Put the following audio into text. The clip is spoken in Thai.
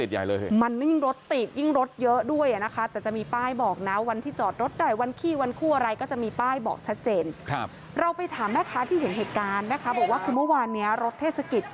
เหตุการณ์นะคะบอกว่าคือเมื่อวานนี้รถเทศกิจ